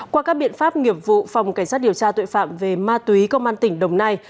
qua các biện pháp nghiệp vụ phòng cảnh sát điều tra tội phạm về ma túy công an tỉnh đồng nai